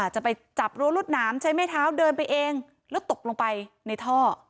จะไปจับรั้วรวดหนามใช้ไม้เท้าเดินไปเองแล้วตกลงไปในท่อ